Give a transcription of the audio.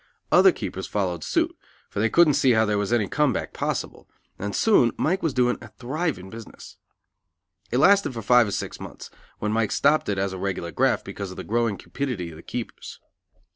Other keepers followed suit, for they couldn't see how there was any "come back" possible, and soon Mike was doing a thriving business. It lasted for five or six months, when Mike stopped it as a regular graft because of the growing cupidity of the keepers.